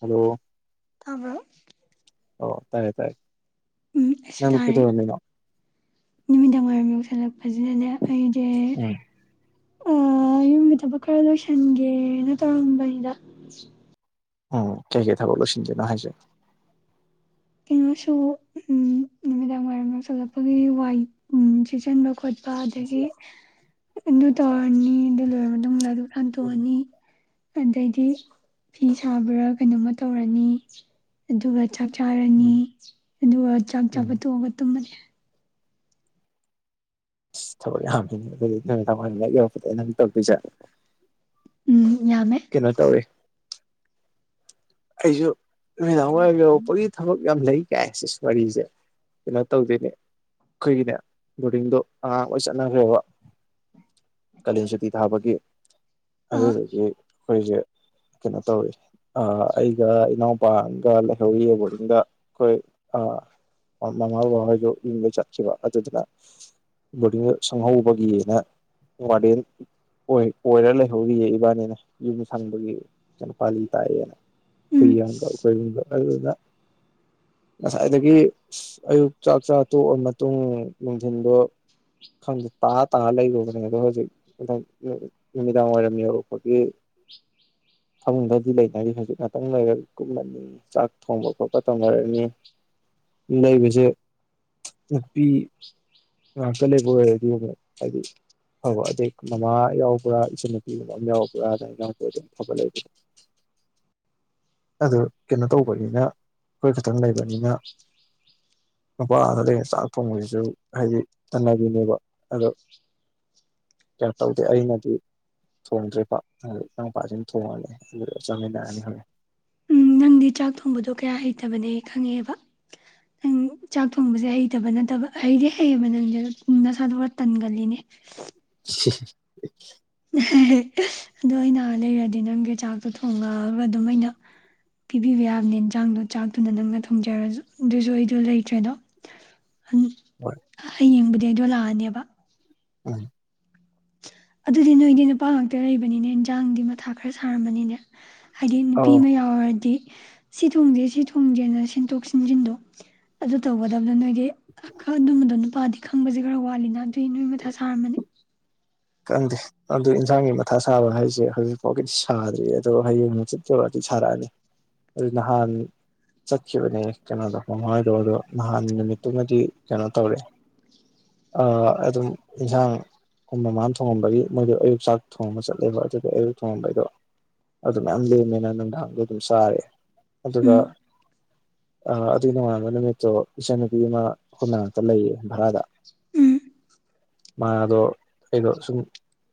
hello ꯇꯥꯕ꯭ꯔꯣ ꯑꯣ ꯇꯥꯏꯌꯦ ꯇꯥꯏꯌꯦ ꯎꯝ ꯑꯁꯨ ꯅꯪꯗꯣ ꯇꯥꯔꯦ ꯀꯩꯗꯧꯔꯝꯃꯤꯅꯣ ꯅꯨꯃꯤꯗꯥꯡ ꯋꯥꯏꯔꯝ ꯌꯧꯁꯠꯂ ꯐꯖꯅꯅꯦ ꯑꯩꯖꯦ ꯎꯝ ꯑ ꯌꯨꯝꯒꯤ ꯊꯕꯛ ꯈꯔ ꯂꯣꯏꯁꯟꯒꯦꯅ ꯇꯧꯔꯝꯕꯅꯤꯗ ꯎꯝ ꯀꯩ ꯀꯩ ꯊꯥꯕꯣꯣ ꯁꯤꯟꯖꯦꯅꯍꯁꯦ ꯀꯩꯅꯣꯁꯨ ꯎ ꯅꯨꯃꯤꯗꯥꯡ ꯋꯥꯏꯔꯝ ꯌꯁꯜꯂꯛꯄꯒꯤ ꯋꯥꯏ ꯁꯤꯖꯟꯕ ꯈꯣꯠꯆ ꯑꯗꯒꯤ ꯑꯗꯨ ꯇꯧꯔꯅꯤ ꯑꯗꯨ ꯂꯣꯏꯔ ꯑꯗꯨ ꯀꯥꯟ ꯇ ꯋꯥꯅꯤ ꯑꯗꯩꯗꯤ ꯐꯤ ꯁꯥꯕ꯭ꯔꯥ ꯀꯩꯅꯣꯝꯃ ꯇꯧꯔꯅꯤ ꯑꯗꯨꯒ ꯆꯥꯔꯅꯤ ꯎꯝ ꯑꯗꯨꯒ ꯆꯥꯛ ꯎꯝ ꯆꯥꯕ ꯇꯣꯛꯑꯒ ꯇꯨꯝꯃꯅꯤ ꯑ ꯊꯕꯛ ꯌꯥꯝꯈꯤꯅꯦ ꯑꯗꯨꯗꯤ ꯅꯨꯃꯤꯗꯥꯡ ꯋꯥꯏ ꯂ ꯌꯧꯔꯛꯄꯗ ꯅꯪ ꯇꯧꯛꯇꯣꯏꯁꯦ ꯎꯝ ꯌꯥꯝꯃꯦ ꯀꯩꯅꯣ ꯇꯧꯋꯦ ꯑꯩꯁꯨ ꯅꯨꯗꯥꯋꯥꯏ ꯌꯧꯔꯛꯄꯒꯤ ꯊꯕꯛ ꯌꯥꯝ ꯂꯩ ꯀ ꯁꯤ ꯋꯥꯔꯤꯁꯦ ꯀꯩꯅꯣ ꯇꯧꯗꯣꯏꯅꯦ ꯑꯩꯈꯣꯏꯒꯤꯅꯦ ꯕꯣꯔꯗꯤꯡꯗꯣ ꯑꯉꯥꯡ ꯂ ꯆꯠꯅꯈ꯭ꯔꯦꯕ ꯀꯩꯅꯅ ꯁꯇ ꯊꯥꯕꯒꯤ ꯑ ꯑꯗꯨꯗꯨꯒꯤ ꯑꯩꯈꯣꯏꯁꯦ ꯀꯩꯅꯣ ꯇꯧꯋꯤ ꯑꯩꯒ ꯏꯅꯥꯎꯄꯥꯒ ꯂꯩꯍꯧꯔꯤ ꯕꯣꯔꯗꯤꯡꯗ ꯑꯩꯈꯣꯏ ꯃꯃꯥ ꯕꯥꯍꯣꯏꯗ ꯌꯨꯝꯗ ꯆꯠꯈꯤꯕ ꯑꯗꯨꯗꯨꯅ ꯕꯣꯔꯗꯤꯡꯗ ꯁꯪꯍꯧꯕꯒꯤꯅ ꯋꯥꯔꯗꯦꯟ ꯑꯣꯏ ꯑꯣꯏꯔ ꯂꯩꯍꯧꯔꯤꯌꯦ ꯏꯕꯥꯅꯤꯅ ꯌꯨꯝ ꯁꯪꯕꯒꯤ ꯀꯩꯅꯣꯄꯥꯂꯤ ꯇꯥꯏꯑꯦꯅ ꯎꯝ ꯀꯌꯥꯒ ꯑꯣꯏꯒ ꯑꯗꯨꯗ ꯉꯁꯥꯏꯗꯒꯤ ꯑꯌꯨꯛ ꯆꯥꯛ ꯆꯥ ꯇꯣꯛꯑ ꯃꯇꯨꯡ ꯅꯨꯡꯊꯤꯟꯗꯣ ꯈꯪꯗꯦ ꯇꯥ ꯇꯥ ꯂꯩꯔꯨꯕꯅꯤ ꯑꯗꯣ ꯍꯧꯖꯤꯛꯪ ꯅꯨꯃꯤꯗꯥꯡ ꯋꯥꯏꯔꯝ ꯌꯧꯔꯛꯄꯒꯤ ꯐꯃꯨꯡꯗꯗꯤ ꯂꯩꯅꯔꯤ ꯍꯧꯖꯤꯛ ꯉꯥꯛꯇꯪ ꯂꯩꯔꯒ ꯀꯨꯝꯃꯅꯤ ꯆꯥꯛ ꯊꯣꯡꯕ ꯈꯣꯠꯄ ꯇꯧꯅꯔꯅꯤ ꯂꯩꯕꯁꯦ ꯅꯨꯄꯤ ꯉꯥꯛꯇ ꯂꯩꯕ ꯑꯣꯏꯔꯗꯤ ꯑꯃꯨꯛ ꯍꯥꯏꯗꯤ ꯐꯕ ꯑꯗꯩ ꯃꯃꯥ ꯌꯥꯎꯕ꯭ꯔꯥ ꯏꯆꯟꯅꯨꯄꯤꯒꯨꯝꯕ ꯑꯃ ꯌꯥꯎꯕ꯭ꯔꯥꯅ ꯉꯥꯛꯇ ꯑꯗꯨꯝ ꯐꯕ ꯂꯩꯕꯅꯤ ꯑꯗꯨ ꯀꯩꯅꯣ ꯇꯧꯕꯅꯤꯅ ꯑꯩꯈꯣꯏ ꯈꯛꯇꯪ ꯂꯩꯕꯅꯤꯅ ꯅꯨꯄꯥ ꯑꯗ ꯂꯩꯕ ꯆꯥꯛ ꯊꯣꯡꯕꯁꯤꯁꯨ ꯍꯥꯏꯗꯤ ꯇꯟꯅꯕꯤꯅꯦꯕ ꯑꯗꯣ ꯀꯩꯅꯣ ꯇꯧꯗꯦ ꯑꯩꯅꯗꯤ ꯊꯣꯡꯗ꯭ꯔꯦ ꯄꯥꯛ ꯏꯅꯥꯎꯄꯥꯁꯤꯡꯅ ꯊꯣꯡꯉꯅꯤ ꯑꯗꯨꯒ ꯆꯥꯃꯤꯟꯅꯔꯅꯤ ꯎꯝ ꯅꯪꯗꯤ ꯆꯥꯛ ꯊꯣꯡꯕꯗꯣ ꯀꯌꯥ ꯍꯩꯇꯕꯅꯦ ꯈꯪꯉꯦꯕ ꯅꯪ ꯆꯥꯛ ꯊꯣꯡꯕꯁꯦ ꯍꯩꯇꯕ ꯅꯠꯇꯕ ꯍꯩꯗꯤ ꯍꯩꯌꯦꯕ ꯅꯪꯁꯦ ꯅꯁꯥꯗꯣ ꯈꯔ ꯇꯟꯒꯜꯂꯤꯅꯦ ꯏꯁ ꯑꯗꯣ ꯑꯩꯅ ꯂꯩꯔꯗꯤ ꯅꯪꯒꯤ ꯆꯥꯛꯇꯣ ꯊꯣꯡꯉꯒ ꯑꯗꯨꯝ ꯑꯩꯅ ꯄꯤꯕꯤꯕ ꯌꯥꯕꯅꯦ ꯌꯦꯟꯖꯥꯡꯗꯣ ꯆꯥꯛꯇꯨꯅ ꯅꯪꯅ ꯊꯣꯡꯖꯔꯁꯨ ꯑꯗꯨꯁꯨ ꯑꯩꯗꯣ ꯂꯩꯇ꯭ꯔꯦꯗꯣ ꯍꯌꯦ ꯍꯣꯏ ꯍꯌꯦꯡꯕꯨꯗꯤ ꯗꯗꯣ ꯂꯛ ꯑꯅꯦꯕ ꯎꯝ ꯑꯗꯨꯗꯤ ꯅꯣꯏꯗꯤ ꯅꯨꯄꯥ ꯉꯥꯛꯇ ꯂꯩꯕꯅꯤꯅꯦ ꯏꯟꯖꯥꯡꯗꯤ ꯃꯊꯥ ꯈꯔ ꯁꯥꯔꯝꯃꯅꯤꯅꯦ ꯍꯥꯏꯗꯤ ꯅꯨꯄꯤ ꯑꯧ ꯑꯃ ꯌꯥꯎꯔꯗꯤ ꯁꯤ ꯊꯣꯡꯁꯦ ꯁꯤ ꯊꯣꯡꯁꯦꯅ ꯁꯤ ꯁꯤꯟꯖꯤꯟꯗꯣ ꯑꯗꯨ ꯇꯧꯒꯗꯕꯗꯣ ꯅꯣꯏꯗꯤ ꯑꯣ ꯑꯗꯨꯝꯕꯗ ꯅꯨꯄꯥꯗꯤ ꯈꯪꯕꯁꯦ ꯈꯔ ꯋꯥꯠꯂꯤꯅ ꯑꯗꯨꯅ ꯑꯗꯨꯏ ꯅꯣꯏ ꯃꯊꯥ ꯁꯥꯔꯝꯃꯅꯤ ꯈꯪꯗꯦ ꯑꯗꯨ ꯏꯟꯖꯥꯡꯒꯤ ꯃꯊꯥ ꯁꯥꯕ ꯍꯥꯏꯁꯦ ꯍꯧꯖꯤꯛꯐꯥꯎꯒꯤꯗꯤ ꯁꯥꯗ꯭ꯔꯤ ꯑꯗꯣ ꯍꯌꯦꯡ ꯍꯡꯆꯤꯠꯇꯩꯗꯤ ꯁꯥꯔꯛꯑꯅꯤ ꯑꯗꯨ ꯅꯍꯥꯟ ꯆꯠꯈꯤꯕꯅꯦ ꯀꯩꯅꯣꯗꯣ ꯃꯃꯥꯍꯣꯏꯗꯣ ꯑꯗꯣ ꯅꯍꯥꯟ ꯅꯨꯃꯤꯠꯇꯨꯃꯗꯤ ꯀꯩꯅꯣ ꯇꯧꯔꯦ ꯑꯗꯨꯝ ꯏꯟꯖꯥꯡ ꯃꯃꯥ ꯊꯣꯡꯉꯝꯕꯒꯤ ꯃꯣꯏꯗꯣ ꯑꯌꯨꯛ ꯆꯥꯛ ꯊꯣꯡꯉꯝꯕ ꯆꯠꯂꯦꯕ ꯑꯗꯨꯒ ꯑꯌꯨꯛ ꯊꯣꯡꯉꯝꯕꯩꯗꯣ ꯑꯗꯨ ꯃꯌꯥꯝ ꯂꯦꯝꯃꯦꯅ ꯅꯨꯡꯗꯥꯡꯗ ꯑꯗꯨꯝ ꯆꯥꯔꯦ ꯑꯗꯨꯒ ꯎꯝ ꯑꯗꯨꯒꯤ ꯅꯣꯡꯉꯥꯟꯕ ꯅꯨꯃꯤꯠꯇꯣ ꯏꯆꯟꯅꯨꯄꯤ ꯑꯃ ꯑꯩꯈꯣꯏ ꯃꯅꯥꯛꯇ ꯂꯩꯌꯦ ꯚꯔꯥꯗ ꯎꯝ ꯃꯥꯗꯣ ꯑꯩꯗꯣ ꯁꯨꯝ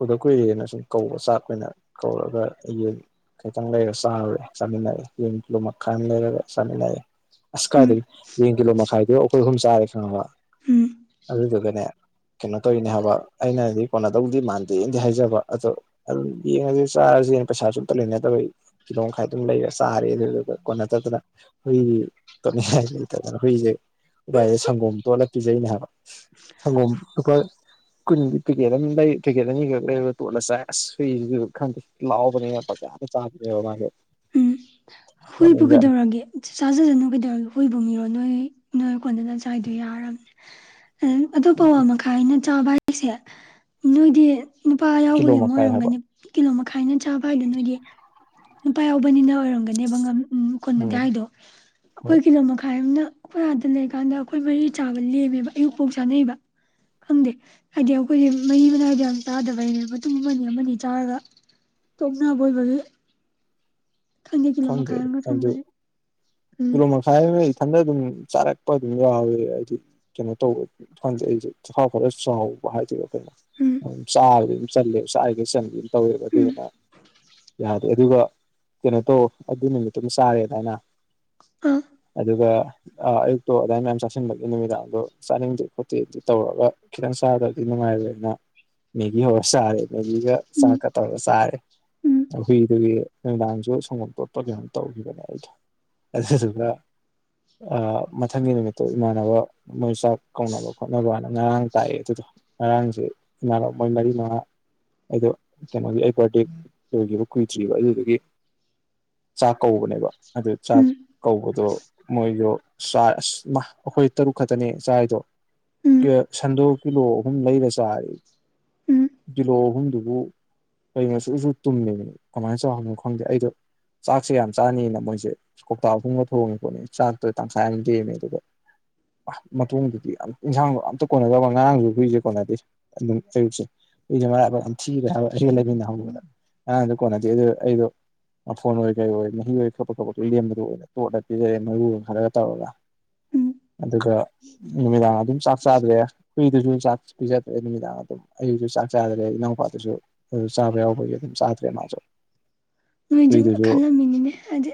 ꯎꯗꯛ ꯀꯨꯏꯔꯦꯅ ꯁꯨꯝ ꯀꯧꯕ ꯆꯥꯛ ꯀꯨꯏꯅ ꯀꯧꯔꯒ ꯌꯦꯟ ꯈꯤꯇꯪ ꯂꯩꯔꯒ ꯆꯥꯔꯨꯔꯦ ꯆꯥꯃꯤꯟꯅꯔꯦ ꯌꯦꯟ ꯀꯤꯂꯣ ꯃꯈꯥꯏ ꯑꯃ ꯂꯩꯔꯒ ꯆꯥꯃꯤꯟꯅꯔꯑꯦ ꯑꯁ ꯀꯥꯏꯗꯒꯤ ꯎꯝ ꯌꯦꯟ ꯀꯤꯂꯣ ꯃꯈꯥꯏꯗꯨ ꯑꯩꯈꯣꯏ ꯑꯍꯨꯝ ꯆꯥꯔꯦ ꯈꯪꯉꯥꯕ ꯎꯝ ꯑꯗꯨꯗꯨꯒꯅꯦ ꯀꯩꯅꯣ ꯇꯧꯔꯤꯅꯦ ꯍꯥꯏꯕ ꯑꯩꯅꯗꯤ ꯀꯣꯟꯅꯗꯧꯗꯤ ꯃꯥꯟꯗꯦꯅꯗꯤ ꯍꯥꯏꯖꯕ ꯑꯗꯣ ꯑꯗꯨꯝ ꯌꯦꯡꯉꯁꯦ ꯆꯥꯔꯁꯦꯅ ꯄꯩꯁꯥ ꯁꯨ ꯑꯝꯇ ꯂꯩꯅꯗꯕ ꯀꯤꯂꯣ ꯃꯈꯥꯏ ꯑꯗꯨꯝ ꯂꯩꯔ ꯆꯥꯔꯦ ꯑꯗꯨꯗꯨꯒ ꯀꯣꯟꯅꯗꯗꯅ ꯍꯨꯏ ꯇꯣꯠꯅꯤꯡꯉꯥꯏ ꯂꯩꯇꯗꯅ ꯍꯨꯏꯁꯦ ꯎꯄꯥꯏꯁꯦ ꯁꯪꯒꯣꯝ ꯇꯣꯜꯂ ꯄꯤꯖꯩꯅꯦ ꯍꯥꯏꯕ ꯁꯪꯒꯣꯝ ꯂꯨꯄꯥ ꯀꯨꯟ ꯄꯦꯀꯦꯠ ꯑꯃ ꯂꯩ ꯄꯦꯀꯦꯠ ꯑꯅꯤ ꯈꯛ ꯂꯩꯔ ꯇꯣꯠꯂ ꯆꯥꯏ ꯑꯁ ꯍꯨꯏꯁꯤꯁꯨ ꯈꯪꯗꯦ ꯂꯥꯎꯕꯅꯤꯅ ꯄꯥꯡ ꯆꯥꯗ ꯆꯥꯕꯤꯅꯦꯕ ꯃꯥꯁꯨ ꯎꯝ ꯍꯨꯏꯕꯨ ꯅꯣꯛꯅꯤꯡꯖꯥꯠꯅꯤ ꯀꯩꯗꯧꯔꯒꯦ ꯆꯥꯖꯗꯅꯨ ꯀꯩꯗꯧꯔꯒꯦ ꯍꯨꯏꯕ ꯃꯤꯔꯣ ꯅꯣꯏ ꯅꯣꯏ ꯀꯣꯟꯗꯅ ꯆꯥꯏꯗꯣ ꯌꯥꯔꯕꯅꯤ ꯎꯝ ꯑꯗꯣ ꯄꯥꯎꯋꯥ ꯃꯈꯥꯏ ꯍꯥꯏꯅ ꯆꯥꯕ ꯍꯥꯏꯁꯦ ꯅꯣꯏꯗꯤ ꯅꯨꯄꯥ ꯀꯤꯂꯣ ꯌꯥꯎꯕꯒꯤ ꯑꯃꯨꯛ ꯃꯈꯥꯏ ꯍꯥꯏꯕ ꯑꯣꯏꯔꯝꯒꯅꯤ ꯀꯤꯂꯣ ꯃꯈꯥꯏꯅ ꯆꯥꯕ ꯍꯥꯏꯗꯣ ꯅꯣꯏꯒꯤ ꯅꯨꯄꯥ ꯌꯥꯎꯕꯅꯤꯅ ꯑꯣꯏꯔꯝꯒꯅꯦꯕ ꯎꯝ ꯀꯣꯟꯅꯗꯦ ꯍꯥꯏꯗꯣ ꯍꯣꯏ ꯑꯩꯈꯣꯏ ꯀꯤꯂꯣ ꯃꯈꯥꯏ ꯑꯃꯅ ꯑꯩꯈꯣꯏ ꯍꯥꯥꯗ ꯂꯩꯔꯤꯀꯥꯟꯗ ꯑꯩꯈꯣꯏ ꯃꯔꯤ ꯆꯥꯕ ꯂꯦꯝꯃꯦꯕ ꯑꯌꯨꯛꯄꯣꯛ ꯆꯥꯅꯩꯕ ꯈꯪꯗꯦ ꯍꯥꯏꯗꯤ ꯑꯩꯈꯣꯏꯁꯦ ꯃꯍꯤ ꯃꯅꯥꯏꯗ ꯌꯥꯝ ꯆꯥꯗꯕꯩꯅꯦꯕ ꯃꯇꯨꯝ ꯑꯃꯅꯤ ꯑꯃꯅꯤ ꯆꯥꯔꯒ ꯇꯣꯛꯅꯕ ꯑꯣꯏꯕꯒꯤ ꯈꯪꯗꯦ ꯀꯤꯂꯣ ꯃꯈꯥꯏ ꯑꯝꯒ ꯊꯣꯡꯕꯁꯦ ꯀꯂꯣ ꯃꯈꯥꯏꯅ ꯏꯊꯟꯇ ꯑꯗꯨꯝ ꯆꯥꯔꯛꯄ ꯑꯗꯨꯝ ꯌꯥꯎꯋꯦ ꯍꯥꯏꯗꯤ ꯀꯩꯅꯣ ꯇꯧꯕ ꯈꯪꯗꯦ ꯑꯩꯁꯦ ꯆꯈꯥꯎ ꯈꯔ ꯆꯥꯎꯕ ꯍꯥꯏꯗꯣꯏꯔ ꯀꯩꯅꯣ ꯎꯝ ꯆꯕꯗ ꯆꯂꯦ ꯆꯔꯤꯒꯩ ꯆꯜꯂꯦ ꯇꯧꯋꯦꯕ ꯎꯝ ꯑꯗꯨꯗꯨꯅ ꯌꯥꯗꯦ ꯑꯗꯨꯒ ꯀꯩꯅ ꯇꯧꯑꯣ ꯑꯗꯨ ꯅꯨꯃꯤꯠꯇꯨꯝꯃ ꯆꯥꯔꯦ ꯑꯗꯥꯏꯍꯅ ꯑꯥ ꯑꯗꯨꯒ ꯑ ꯑꯌꯨꯛꯇꯣ ꯑꯗꯨꯗꯥꯏ ꯃꯌꯥꯝ ꯆꯥꯁꯤꯟꯕꯒꯤ ꯅꯨꯃꯤꯗꯥꯡꯗꯣ ꯆꯥꯅꯤꯡꯗꯦ ꯈꯣꯠꯇꯦ ꯑꯗꯨ ꯇꯧꯔꯒ ꯈꯤꯇꯪ ꯆꯥꯗ꯭ꯔꯗꯤ ꯅꯨꯡꯉꯥꯏꯔꯣꯏꯅ ꯃꯦꯒꯤ ꯍꯧꯔ ꯆꯥꯔꯦ ꯃꯦꯔꯤꯒ ꯎꯝ ꯆꯥꯛꯀ ꯇꯧꯔꯒ ꯆꯥꯔꯦ ꯎꯝ ꯍꯨꯏꯗꯨꯒꯤ ꯅꯨꯡꯗꯥꯡꯁꯨ ꯁꯡꯒꯣꯝ ꯇꯣꯠ ꯄꯣꯠ ꯇꯧꯈꯤꯕꯅꯦ ꯑꯩꯗꯣ ꯑꯗꯨꯗꯨꯒ ꯃꯊꯪꯒꯤ ꯅꯨꯃꯤꯠꯇꯣ ꯏꯃꯥꯟꯅꯕ ꯃꯣꯏ ꯆꯥꯛ ꯀꯧꯅꯕ ꯈꯣꯠꯅꯕ ꯍꯥꯏꯅ ꯉꯔꯥꯡ ꯇꯥꯛꯑꯦ ꯑꯗꯨꯗꯣ ꯉꯔꯥꯡꯖꯨ ꯏꯃꯥꯟꯅꯕ ꯃꯣꯏ ꯃꯔꯤ ꯃꯉꯥ ꯑꯩꯗꯣ ꯀꯩꯅꯣꯒꯤ ꯑꯩ ꯕꯥꯔꯗꯦ ꯂꯣꯏꯈꯤꯕ ꯀꯨꯏꯗ꯭ꯔꯤꯕ ꯑꯗꯨꯗꯒꯤ ꯆꯥꯛ ꯀꯧꯕꯅꯦꯕ ꯑꯗꯨ ꯆꯥꯛ ꯎꯝ ꯀꯧꯕ ꯑꯗꯣ ꯃꯣꯏꯗꯣ ꯆ ꯑꯁ ꯑꯩꯈꯣꯏ ꯇꯔꯨꯛ ꯈꯛꯇꯅꯦ ꯆꯥꯏꯗꯣ ꯎꯝ ꯁꯟꯗꯣ ꯀꯤꯂꯣ ꯑꯍꯨꯝ ꯂꯩꯔ ꯆꯥꯔꯤ ꯎꯝ ꯀꯤꯂꯣ ꯑꯍꯨꯝꯗꯨꯕꯨ ꯀꯩꯅꯣꯁꯨꯁꯨ ꯇꯨꯝꯃꯦꯃꯤ ꯀꯃꯥꯏꯅ ꯆꯥꯎꯅꯣ ꯈꯪꯗꯦ ꯑꯩꯗꯣ ꯆꯥꯛꯁꯦ ꯌꯥꯝ ꯆꯥꯅꯤꯅ ꯃꯣꯏꯁꯦ ꯀꯧꯇꯥ ꯑꯍꯨꯝꯒ ꯊꯣꯡꯉꯦ ꯈꯣꯠꯅꯤ ꯆꯥꯛꯇꯣ ꯇꯪꯈꯥꯏ ꯑꯃ ꯂꯦꯝꯃꯦ ꯑꯗꯨꯒ ꯃꯇꯨꯡꯗꯨꯗꯤ ꯏꯟꯁꯥꯡꯗꯣ ꯑꯝꯇ ꯀꯣꯟꯅꯗꯕ ꯉꯔꯥꯡꯁꯨ ꯍꯨꯏꯁꯦ ꯀꯣꯟꯅꯗꯦ ꯑꯗꯨꯝ ꯑꯌꯨꯛꯁꯦ ꯍꯨꯏꯁꯦ ꯃꯔꯥꯕꯛ ꯑꯗꯨꯝ ꯊꯤꯔꯦ ꯍꯥꯏꯕ ꯑꯩꯒ ꯂꯩꯃꯤꯟꯅꯗ ꯉꯔꯥꯡꯁꯨ ꯀꯣꯟꯅꯗꯦ ꯑꯗꯨ ꯑꯩꯗꯣ ꯐꯣꯟꯑꯣꯏ ꯀꯩꯑꯣꯏ ꯃꯍꯤ ꯑꯣꯏ ꯀꯕꯥꯛ ꯀꯕꯥꯛ ꯂꯦꯝꯕꯗꯣ ꯑꯣꯏꯅ ꯇꯣꯠꯂꯒ ꯄꯤꯖꯔꯦ ꯃꯔꯨ ꯈꯜꯔꯒ ꯇꯧꯔꯒ ꯎꯝ ꯑꯗꯨꯒ ꯅꯨꯃꯤꯗꯥꯡ ꯑꯗꯨꯝ ꯆꯥꯛ ꯆꯥꯗ꯭ꯔꯦ ꯍꯨꯏꯗꯁꯨ ꯆꯥꯛ ꯄꯤꯖꯗ꯭ꯔꯦ ꯅꯨꯃꯤꯗꯥꯡ ꯑꯗꯨꯝ ꯑꯩꯨꯁꯨ ꯆꯥꯛ ꯆꯥꯗ꯭ꯔꯦ ꯏꯅꯥꯎꯄꯥꯗꯨꯁꯨ ꯑꯗꯨ ꯆꯥꯕ ꯌꯥꯎꯕꯒꯤ ꯑꯗꯨꯝ ꯆꯥꯗ꯭ꯔꯦ ꯃꯥꯁꯨ ꯅꯣꯏꯗ ꯍꯨꯏꯗꯨꯁꯨ ꯈꯜꯂꯝꯃꯤꯅꯤꯅꯦ ꯍꯥꯏꯗꯤ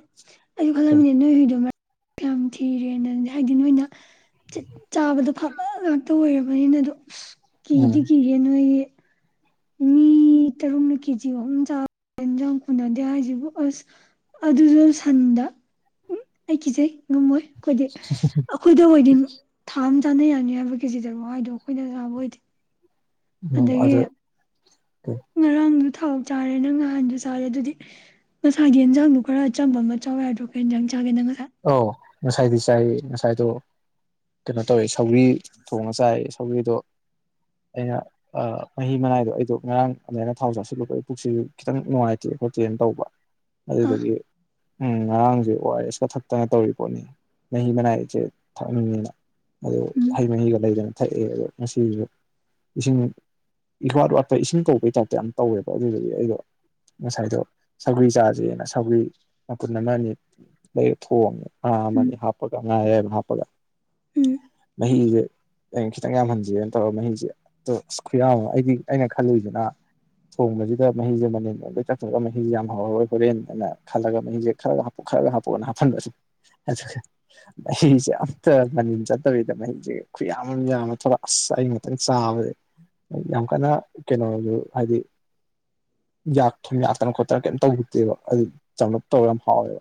ꯑꯩꯁꯨ ꯎꯝ ꯈꯜꯂꯝꯃꯤꯅꯦ ꯅꯣꯏ ꯍꯨꯏꯗꯣ ꯃꯔꯥꯏꯕꯛ ꯌꯥꯝ ꯊꯤꯌꯦꯅ ꯅ ꯍꯥꯏꯗꯤ ꯅꯣꯏꯅ ꯆꯥꯕꯗ ꯐꯅ ꯉꯥꯛꯇ ꯑꯣꯏꯔꯕꯅꯤꯅꯗꯣ ꯑ ꯀꯤꯗꯤ ꯀꯤꯍꯦ ꯅꯣꯏꯖꯦ ꯃꯤ ꯇꯔꯨꯛꯅ ꯀꯦꯖꯤ ꯑꯍꯨꯝ ꯆꯥꯕꯗ ꯀꯣꯟꯅꯗꯦ ꯍꯥꯏꯁꯤꯕꯨ ꯑꯁ ꯑꯗꯨꯁꯨ ꯁꯟꯗ ꯎꯝ ꯑꯩ ꯀꯤꯖꯩ ꯉꯝꯃꯣꯏ ꯑꯩꯈꯣꯏꯗꯤ ꯑꯩꯈꯣꯏꯗ ꯑꯣꯏꯗꯤ ꯊꯥ ꯆꯥꯅ ꯌꯥꯅꯤ ꯍꯥꯏꯕ ꯀꯦꯖꯤ ꯇꯔꯨꯛ ꯍꯥꯏꯗꯣ ꯑꯩꯈꯣꯏꯅ ꯆꯥꯕ ꯑꯣꯏꯗꯤ ꯎꯝ ꯑꯗꯨ ꯉꯔꯥꯡꯗꯨ ꯊꯥꯎ ꯆꯥꯔꯦ ꯅꯪ ꯅꯍꯥꯟꯁꯨ ꯆꯥꯔꯦ ꯑꯗꯨꯗꯤ ꯃꯁꯥꯒꯤ ꯌꯦꯟꯖꯥꯡꯗꯣ ꯈꯔ ꯑꯆꯝꯕ ꯑꯃ ꯆꯥꯎ ꯌꯥꯗ꯭ꯔꯣ ꯀꯩ ꯌꯦꯟꯖꯥꯡ ꯆꯥ ꯒꯦ ꯅꯪ ꯉꯁꯥꯏ ꯑꯧ ꯉꯁꯥꯏꯗꯤ ꯆꯥꯏꯑꯦ ꯉꯁꯥꯏꯗꯣ ꯀꯩꯅꯣ ꯇꯧꯋꯦ ꯁꯧꯒꯔꯤ ꯊꯣꯡꯉ ꯆꯥꯏ ꯁꯧꯒꯔꯤꯗꯣ ꯑꯩꯅ ꯃꯍꯤ ꯃꯅꯥꯏꯗꯣ ꯑꯩꯗꯣ ꯉꯔꯥꯡ ꯑꯗꯨꯃꯥꯏꯅ ꯊꯥꯎ ꯆꯪꯁꯤꯜꯂꯨꯕꯗꯨꯏ ꯄꯨꯛꯁꯤꯁꯨ ꯈꯤꯇꯪ ꯅꯨꯡꯉꯥꯏꯇꯦ ꯈꯣꯠꯇꯦꯅ ꯇꯧꯕ ꯑꯥ ꯑꯗꯨꯗꯨꯒꯤ ꯎꯝ ꯉꯔꯥꯡꯁꯦ ꯑꯣꯥ ꯔ ꯑꯦꯁ ꯀ ꯊꯛꯄ ꯇꯅ ꯇꯧꯔꯤ ꯄꯣꯠꯅꯤ ꯃꯍꯤ ꯃꯅꯥꯏꯁꯦ ꯊꯛꯅꯤꯡꯉꯤꯅ ꯑꯗꯨ ꯎꯝ ꯍꯩ ꯃꯍꯤꯒ ꯂꯩꯗꯅ ꯊꯛꯑꯦ ꯑꯗꯣ ꯉꯁꯤꯁꯨ ꯏꯁꯤꯡ ꯏꯋꯥꯠ ꯋꯥꯠꯄ ꯏꯁꯤꯡ ꯀꯧꯕꯒꯤ ꯇꯥꯏꯞꯇ ꯌꯥꯝ ꯇꯧꯋꯦꯕ ꯑꯗꯨꯗꯗꯤ ꯑꯩꯗꯣ ꯉꯁꯥꯏꯗꯣ ꯁꯧꯒꯔꯤ ꯆꯥꯁꯦꯅ ꯁꯧꯒꯔꯤ ꯃꯄꯨꯟ ꯑꯃ ꯑꯅꯤ ꯊꯣꯡꯉꯦ ꯉꯥ ꯎꯝ ꯑꯃꯅꯤ ꯍꯥꯞꯄꯒ ꯉꯥ ꯑꯌꯥꯏꯕ ꯍꯥꯞꯄꯒ ꯎꯝ ꯃꯍꯤꯁꯦ ꯑꯩꯅ ꯈꯤꯇꯪ ꯌꯥꯝꯍꯟꯖꯦꯅ ꯇꯧꯔꯒ ꯃꯍꯤꯁꯦ ꯑ ꯑꯁ ꯈꯨꯌꯥꯝ ꯑꯃ ꯑꯩꯗꯤ ꯑꯩꯅ ꯈꯜꯂꯨꯏꯁꯤꯅ ꯊꯣꯡꯕꯁꯤꯗ ꯃꯍꯤꯁꯦ ꯃꯅꯤꯟ ꯑꯣꯜꯂ ꯆꯠꯈꯔꯥꯒ ꯗ ꯃꯍꯤꯁꯦ ꯌꯥꯝ ꯍꯧꯔꯔꯣꯏ ꯍꯣꯔꯦꯟꯅ ꯈꯜꯂꯒ ꯃꯍꯤꯁꯦ ꯈꯔꯒ ꯍꯥꯞꯄꯨ ꯈꯔꯒ ꯍꯥꯞꯄꯨꯅ ꯍꯥꯞꯍꯜ ꯟꯕꯁ ꯃꯍꯤꯁꯦ ꯑꯝꯇ ꯃꯅꯤꯟ ꯆꯠꯇꯕꯤꯗ ꯃꯍꯤꯁꯦ ꯈꯨꯌꯥꯝ ꯑꯃ ꯌꯥꯝ ꯑꯃ ꯊꯣꯂꯛ ꯑꯁ ꯑꯩ ꯉꯛꯇꯪ ꯆꯥꯕꯁꯦ ꯌꯥꯝ ꯀꯟꯅ ꯀꯩꯅꯣꯗꯨ ꯍꯥꯏꯗꯤ ꯌꯥꯛꯇꯅ ꯈꯣꯠꯇꯅ ꯀꯩꯝ ꯇꯧꯗꯦꯕ ꯑꯗꯨ ꯆꯝꯂꯞ ꯇꯧꯔ ꯌꯥꯝ ꯍꯥꯎꯋꯦꯕ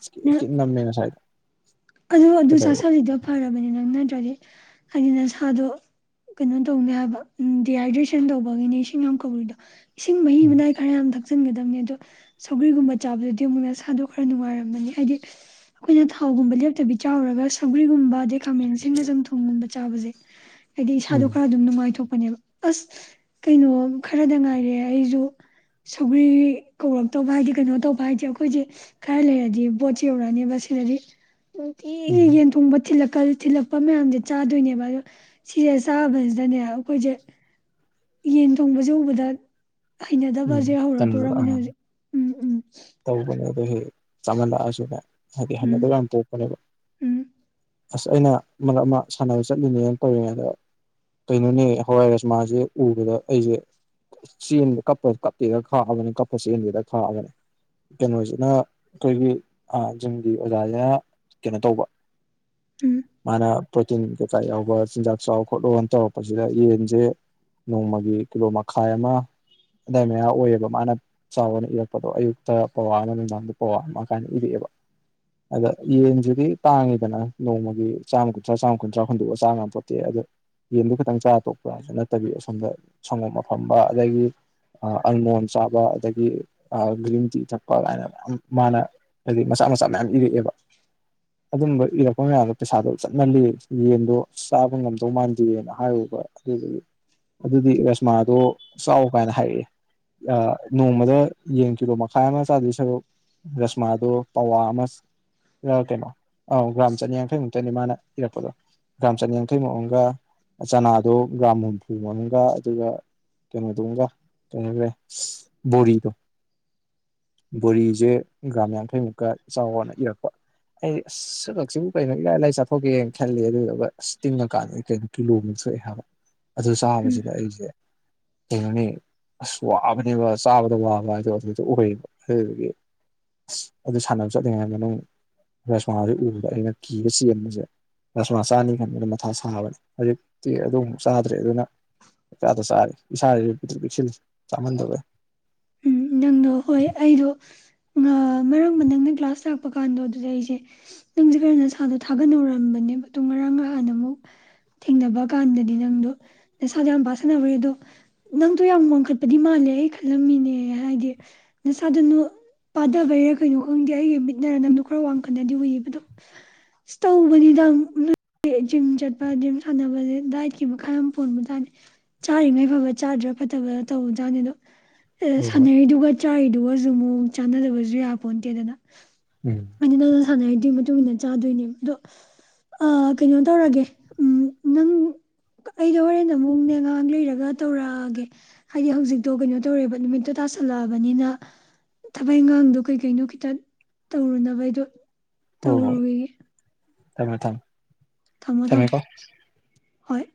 ꯏꯁ ꯀꯤꯠ ꯅꯪ ꯀꯤꯠ ꯅꯝꯃꯦ ꯉꯁꯥꯏ ꯑꯗꯨ ꯑꯗꯨ ꯆꯥꯁꯜꯂꯤꯗꯣ ꯐꯔꯕꯅꯤ ꯅꯪ ꯅꯠꯇ꯭ꯔꯗꯤ ꯍꯥꯏꯗꯤ ꯅ ꯁꯥꯗꯣ ꯀꯩꯅꯣ ꯇꯧꯅꯦ ꯍꯥꯏꯕ ꯎ ꯗꯤꯍꯥꯏꯗ꯭ꯔꯦꯁꯟ ꯇꯧꯕꯒꯤꯅꯦ ꯏꯁꯤꯡ ꯌꯥꯝ ꯀꯧꯔꯤꯗꯣ ꯏꯁꯤꯡ ꯃꯍꯤ ꯎꯝ ꯃꯅꯥꯏ ꯈꯔ ꯌꯥꯝꯅ ꯊꯛ ꯍꯥꯞꯆꯟꯒꯗꯕꯅꯤ ꯑꯗꯣ ꯁꯧꯒꯔꯤꯒꯨꯝꯕ ꯆꯥꯕꯗꯗꯤ ꯑꯃꯨꯛꯅ ꯁꯥꯗꯣ ꯈꯔ ꯅꯨꯡꯉꯥꯏꯔꯝꯃꯅꯤ ꯍꯥꯏꯗꯤ ꯑꯩꯈꯣꯏꯅ ꯊꯥꯎꯒꯨꯝꯕ ꯂꯦꯞ ꯇꯨꯕꯤ ꯆꯥꯎꯔꯒ ꯁꯧꯒ꯭ꯔꯤꯒꯨꯝꯕ ꯑꯗꯩ ꯈꯥꯃꯦꯟꯁꯤꯟꯕꯞꯆꯝꯊꫭꯡ ꯊꯣꯡꯒꯨꯝꯕꯗ ꯆꯥꯕꯁꯦ ꯍꯥꯏꯗꯤ ꯎꯝ ꯏꯁꯥꯗꯣ ꯈꯔ ꯑꯗꯨꯝ ꯅꯨꯡꯉꯥꯏꯊꯣꯛ ꯄꯅꯦꯕ ꯑꯁ ꯀꯩꯅꯣ ꯈꯔꯗ ꯉꯥꯏꯔꯦ ꯑꯩꯁꯨ ꯁꯧꯒ꯭ꯔꯤ ꯀꯧꯔꯛꯇꯧꯕ ꯍꯥꯏꯗꯤ ꯀꯩꯅꯣ ꯇꯧꯕ ꯍꯥꯏꯗꯤꯦ ꯑꯩꯈꯣꯏꯁꯦ ꯈꯔ ꯂꯩꯔꯗꯤ ꯕꯣꯠꯁꯦ ꯌꯧꯔꯛꯑꯅꯦꯕ ꯁꯤꯗꯗꯤ ꯅꯨꯡꯇꯤꯒꯤ ꯎꯝ ꯌ‌ꯦꯟ ꯊꯣꯡꯕ ꯊꯤꯂꯛ ꯀꯜ ꯊꯤꯜꯂꯛꯄ ꯃꯌꯥꯝꯁ ꯆꯥꯗꯣꯏꯅꯦꯕ ꯑꯗꯣ ꯁꯤꯁꯦ ꯆꯥꯕꯁꯤꯗꯅꯦ ꯑꯩꯈꯣꯏꯁꯦ ꯌꯦꯟ ꯊꯣꯡꯕꯁꯦ ꯎꯕꯗ ꯎꯝ ꯍꯩꯅꯗꯕꯁꯦ ꯇꯟꯕꯗꯣ ꯍꯧꯔꯛꯇꯣꯔꯔꯕꯅꯦ ꯑꯥ ꯍꯧꯖꯤꯛ ꯎꯝ ꯎꯝ ꯆꯃꯟꯂꯛꯑꯁꯅ‌ꯦ ꯍꯥꯏꯗꯤ ꯎꯝ ꯍꯟꯅꯗ ꯌꯥꯝ ꯄꯣꯛꯄꯅꯦꯕ ꯎꯝ ꯑꯁ ꯑꯩꯅ ꯃꯞ ꯑꯃ ꯁꯥꯟꯅꯕ ꯆꯠꯂꯤꯅꯦꯅ ꯇꯧꯔꯤꯉꯩ ꯑꯗ ꯀꯩꯅꯣꯅꯦ ꯍꯋꯥꯏ ꯔꯖꯃꯥꯁꯦ ꯎꯕꯗ ꯑꯩꯁꯦ ꯆꯦꯟꯕ ꯀꯞꯄ ꯀꯞꯄꯤꯦꯔ ꯈꯥꯛꯑꯕꯅꯤ ꯀꯞꯄꯁꯦ ꯌꯦꯟꯒꯦꯔ ꯈꯥꯛꯑꯕꯅꯤ ꯀꯩꯅꯣꯁꯤꯅ ꯑꯩꯈꯣꯏꯒꯤ ꯌꯨꯝꯒꯤ ꯑꯣꯖꯥꯁꯤꯅ ꯀꯩꯅꯣ ꯇꯧꯕ ꯎꯝ ꯃꯥꯅ ꯄ꯭ꯔꯣꯇꯤꯟ ꯀꯩꯀꯥ ꯌꯥꯎꯕ ꯆꯤꯟꯖꯥꯛ ꯆꯥꯎ ꯈꯣꯠꯂꯣꯅ ꯇꯧꯔꯛꯄꯁꯤꯗ ꯌꯦꯟꯁꯦ ꯅꯣꯡꯃꯒꯤ ꯀꯤꯂꯣ ꯃꯈꯥꯏ ꯑꯃ ꯑꯗꯥꯏ ꯃꯌꯥ ꯑꯣꯏꯌꯦꯕ ꯃꯥꯅ ꯆꯥꯎꯥꯕꯅ ꯏꯔꯛꯄꯗꯣ ꯑꯌꯨꯛꯇ ꯄꯋꯥ ꯑꯃ ꯅꯨꯡꯗꯥꯡꯗ ꯄꯋꯥ ꯑꯃ ꯀꯥꯏꯅ ꯏꯔꯛꯑꯦꯕ ꯑꯗ ꯌꯦꯟꯁꯤꯗꯤ ꯇꯥꯡꯉꯤꯗꯅ ꯅꯣꯡꯃꯒꯤ ꯆꯥꯝꯃ ꯀꯨꯟꯊ꯭ꯔꯥ ꯆꯥꯝꯃ ꯀꯨꯟꯊ꯭ꯔꯥ ꯍꯨꯟꯗꯣꯛꯑꯒ ꯆꯥꯝꯉꯝꯣꯠꯇꯦ ꯑꯗꯣ ꯌꯦꯟꯗꯨ ꯈꯤꯇꯪ ꯆꯥꯔ ꯇꯣꯛꯄ꯭ꯔꯥ ꯅꯠꯇꯕꯤ ꯑꯁꯣꯝꯗ ꯁꯪꯒꯣꯝ ꯑꯐꯝꯕ ꯑꯗꯒꯤ ꯑꯜꯃꯣꯟ ꯆꯥꯕ ꯑꯗꯒꯤ ꯒ꯭ꯔꯤꯟ ꯇꯤ ꯊꯛꯄ ꯀꯥꯏꯅ ꯃꯌꯥꯝ ꯃꯥꯅ ꯍꯥꯏꯗꯤ ꯃꯆꯥ ꯃꯆꯥ ꯃꯌꯥꯝ ꯏꯔꯛꯑꯦꯕ ꯑꯗꯨꯝꯕ ꯏꯔꯛꯄ ꯃꯌꯥꯝꯗꯣ ꯄꯩꯁꯥꯗꯣ ꯆꯠꯃꯜꯂꯤ ꯌꯦꯟꯗꯣ ꯆꯥꯕ ꯉꯝꯗꯧ ꯃꯥꯟꯗꯦꯅ ꯍꯥꯏꯔꯨꯕ ꯑꯗꯨꯗꯒꯤ ꯑꯗꯨꯗꯤ ꯔꯁꯃꯥꯗꯣ ꯆꯥꯎ ꯀꯥꯏꯅ ꯍꯥꯏꯔꯛꯑꯦ ꯅꯣꯡꯃꯗ ꯌꯦꯟ ꯀꯤꯂꯣ ꯃꯈꯥꯏ ꯑꯃ ꯆꯥꯗꯣꯏ ꯁꯔꯨꯛ ꯔꯁꯃꯥꯗꯣ ꯄꯋꯥ ꯑꯃꯔꯥ ꯀꯩꯅꯣ ꯑꯥ ꯒ꯭ꯔꯥꯝ ꯆꯅꯤꯌꯥꯡꯈꯩꯃꯨꯛꯇꯅꯤ ꯃꯥꯅ ꯏꯔꯛꯄꯗꯣ ꯒ꯭ꯔꯥꯝ ꯆꯅꯤꯌꯥꯡꯈꯩꯃꯨꯝꯒ ꯆꯅꯥꯗꯣ ꯒ꯭ꯔꯥꯝ ꯍꯨꯝꯐꯨꯃꯒ ꯑꯗꯨꯒ ꯀꯩꯅꯣꯗꯨ ꯑꯃꯒ ꯀꯩꯅꯣꯗꫭꯁ ꯕꯣꯔꯤꯗꯣ ꯕꯣꯔꯤꯖ‌ꯦ ꯒ꯭ꯔꯥꯝ ꯌꯥꯡꯈꯩꯃꯨꯛꯀ ꯆꯥꯎꯋꫭꯅ ꯏꯔꯛꯄ ꯑꯩ ꯑꯁ ꯁꯕꯛꯁꯤꯕꯨ ꯀꯩꯅꯣ ꯏꯔꯥꯏ ꯂꯥꯏ ꯆꯥꯊꯣꯛꯀꯦꯅ ꯈꯜꯂꯤ ꯑꯗꯨꯗꯨꯒ ꯑꯁ ꯇꯤꯡꯉꯀꯥꯟꯗꯗꯤ ꯀꯩꯅꯣ ꯀꯤꯂꯣꯃꯨꯛ ꯊꯣꯛꯑꯦ ꯍꯥꯏꯕ ꯑꯗꯨ ꯎꯝ ꯆꯥꯕꯁꯤꯗ ꯑꯩꯁꯦ ꯀꯅꯤ ꯑꯁ ꯋꯥꯕꯅꯦꯕ ꯆꯥꯕꯗ ꯋꯥꯕ ꯍꯥꯏꯗꯣ ꯑꯗꯨꯗ ꯑꯣꯏꯌꯦꯕ ꯑꯗꯨꯗꯒꯤ ꯑꯁ ꯑꯗꯨ ꯁꯥꯟꯅꯕ ꯆꯠꯂꯤꯉꯥꯏ ꯃꯅꯨꯡ ꯔꯁꯃꯥꯥꯁꯦ ꯎꯕꯗ ꯑꯩꯅ ꯀꯤꯕ ꯆꯦꯟꯕꯁꯦ ꯔꯁꯃꯥ ꯆꯥꯅꯤ ꯈꯟꯕꯅ ꯃꯊꯥ ꯁꯥꯕꯅꯦ ꯍꯧꯖꯤꯛꯇꯤ ꯑꯗꯨ ꯑꯃꯨꯛ ꯆꯥꯗ꯭ꯔꯦ ꯑꯗꯨꯅꯗ ꯆꯥꯔ ꯏꯁꯥꯁꯨ ꯄꯤ ꯄꯤꯛꯁꯤꯜꯂꯤ ꯀꯃꯟꯗꯕ ꯃꯔꯛꯃꯥ ꯅꯪꯅ ꯀ꯭ꯂꯥꯁ ꯂꯥꯛꯄ ꯀꯥꯟꯗꯣ ꯑꯗꯨꯗ ꯑꯩꯁꯦ ꯅꯪꯁꯦ ꯈꯔ ꯅꯁꯥꯗꯣ ꯊꯥꯒꯠꯅꯥꯑꯔꯝꯕꯅꯦꯕ ꯑꯗꫭ ꯉꯔꯥꯡ ꯅꯍꯥꯟꯅ ꯑꯃꯨꯛ ꯊꯦꯡꯅꯕ ꯀꯥꯟꯗꯗꯤ ꯅꯪꯗꯣ ꯅꯁꯥꯗꯣ ꯌꯥꯝ ꯄꯥꯁꯟꯅꯅꯕꯦ ꯑꯗꯣ ꯅꯪꯗꯣ ꯌꯥꯝ ꯋꯥꯡꯈꯠꯄꯗꯤ ꯃꯥꯜꯂꯦ ꯑꯩ ꯈꯜꯂꯝꯃꯤꯅꯦ ꯍꯥꯏꯗꯤ ꯅꯁꯥꯗꯅꯨ ꯄꯥꯗꯕꯩꯔꯥ ꯀꯩꯅꯣ ꯈꯪꯗꯦ ꯑꯩꯒꯤ ꯃꯤꯠꯅꯔ ꯅꯝꯗ ꯈꯔ ꯋꯥꯡꯈꯠꯅꯗꯤ ꯎꯨꯏꯌꯦꯕ ꯑꯗꯣ ꯑꯁ ꯇꯧꯕꯅꯤꯗ ꯖꯤꯝ ꯆꯠꯄ ꯖꯤꯝ ꯁꯥꯟꯅꯕ ꯗꯥꯏꯠꯀꯤ ꯃꯈꯥ ꯌꯥꯝ ꯄꯣꯟꯕꯖꯥꯅꯤ ꯆꯥꯔꯤꯉꯩ ꯐꯕ ꯆꯥꯗ꯭ꯔꯥ ꯐꯠꯇꯕ ꯇꯧꯕꯖꯥꯠꯅꯤ ꯑꯗꯣ ꯍꯣꯏ ꯍꯣꯏ ꯁꯥꯟꯅꯔꯤꯗꯨꯒ ꯆꯥꯔꯤꯗꯨꯒ ꯑꯗꯨ ꯃꯑꯣꯡ ꯆꯥꯟꯅꯗꯕꯁꯨ ꯌꯥꯄꯣꯟ ꯇꯦꯗꯅ ꯎꯝ ꯑꯅꯤꯅꯅ ꯁꯅ ꯍꯥꯏꯗꯤ ꯇꯨꯃꯤꯅꯠ ꯆꯥꯗꯣꯏꯅꯦꯕ ꯑꯗꯣ ꯑꯥ ꯀꯩꯅꯣ ꯇꯧꯔꯒꯦ ꯎꯝ ꯅꯪ ꯑꯩꯗꯣ ꯍꯣꯔꯦꯟ ꯑꯃꯨꯛꯅꯦꯉꯥꯡ ꯂꯩꯔꯒ ꯇꯧꯔꯛꯑꯒꯦ ꯍꯥꯏꯗꯤ ꯍꯧꯖꯤꯛꯇꯣ ꯀꯩꯅꯣ ꯇꯧꯔꯦꯕ ꯅꯨꯃꯤꯠꯇꯨ ꯇꯥꯁꯜꯂꯛꯑꯕꯅꯤꯅ ꯊꯕꯛ ꯏꯪꯈꯥꯡꯗꯣ ꯀꯩ ꯀꯩꯅꯣ ꯈꯤꯇꯪ ꯇꯧꯔꯨꯅꯕ ꯍꯥꯏꯗꯣ ꯍꯣꯏ ꯍꯣꯏ ꯊꯝꯃꯦ ꯊꯝꯃꯦ ꯊꯝꯃꯣ ꯊꯝꯃꯣ ꯊꯝꯃꯦꯀꯣ ꯍꯣꯏ